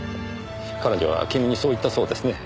彼女は君にそう言ったそうですね。